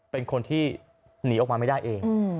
เป็นคนที่หนีออกมาไม่ได้เอง